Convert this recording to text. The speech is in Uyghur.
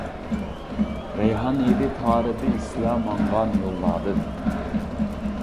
رەيھان ھىدى تارىدى، سىلەر ماڭغان يوللاردىن.